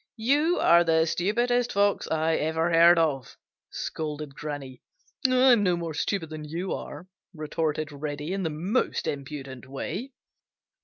"You are the stupidest Fox I ever heard of," scolded Granny. "I'm no more stupid than you are!" retorted Reddy in the most impudent way.